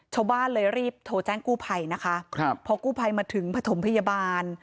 ชาวบ้านเลยรีบโทรแจ้งกู้ภัยนะคะครับพอกู้ภัยมาถึงผสมพยาบาล